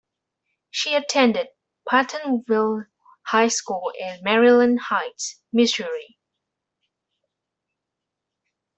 She attended Pattonville High School in Maryland Heights, Missouri.